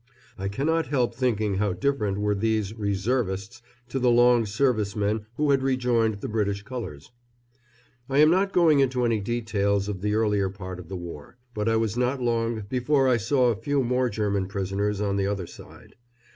I cannot help thinking how different were these "reservists" to the long service men who had rejoined the British colours. I am not going into any details of the earlier part of the war; but I was not long before I saw a few more German prisoners on the other side.